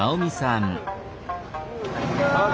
こんにちは！